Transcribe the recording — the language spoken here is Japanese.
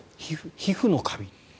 皮膚のカビ。